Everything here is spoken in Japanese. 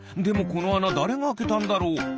でもこのあなだれがあけたんだろう？